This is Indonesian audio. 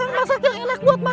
akang masak yang elek buat makan